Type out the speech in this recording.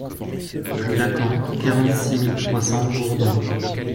Rue Lacam, quarante-six mille trois cents Gourdon